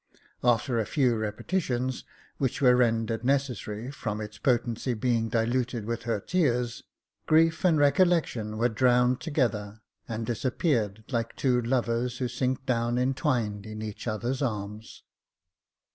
After a few repetitions, which were rendered necessary from its potency being diluted with her tears, grief and recollection were drowned together, and disappeared like two lovers who sink down entwined in each other's arms.